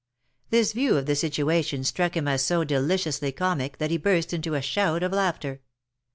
This view of the situation struck him as so deliciously comic that he burst into a shout of laughter.